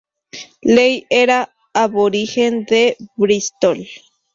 Ley era aborigen de Brístol.